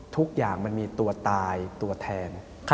ทุกอย่างมันมีตัวตายตัวแทน